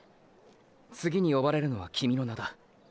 次に呼ばれるのは君の名だ。